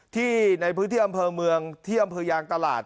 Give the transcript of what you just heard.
ที่ในพื้นที่อำเภอเมืองที่อำเภอยางตลาด